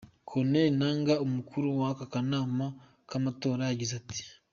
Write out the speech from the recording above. Corneille Nangaa, umukuru w'aka kanama k'amatora, yagize ati:.